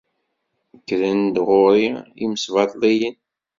Kkren-d ɣur-i yimesbaṭliyen.